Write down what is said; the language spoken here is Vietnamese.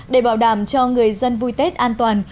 để bảo đảm cho người dân vui tết an toàn